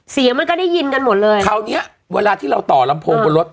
เสียงมันก็ได้ยินกันหมดเลยคราวเนี้ยเวลาที่เราต่อลำโพงบนรถ